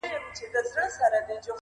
چي پاچا ته خبر راغی تر درباره-